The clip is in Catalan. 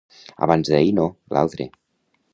Abans-d'ahir no, l'altre.